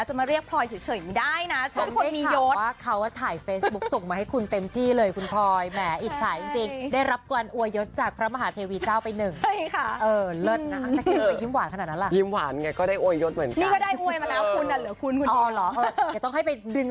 ช่วยดึงแรงเลยค่ะใช่ต้องให้เขาอวยยดให้